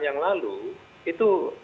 yang lalu itu